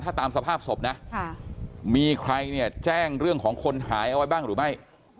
ถ้าตามสภาพศพนะมีใครเนี่ยแจ้งเรื่องของคนหายเอาไว้บ้างหรือไม่